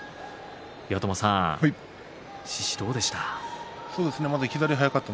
岩友さん、獅司どうでした？